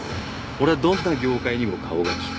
俺はどんな業界にも顔が利く。